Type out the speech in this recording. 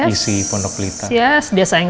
isi pondok lita yes dia sayang